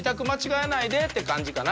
って感じかな。